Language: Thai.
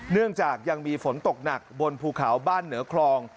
เนื่องจากยังมีฝนตกหนักบนภูเขาบ้านเหนือคลอง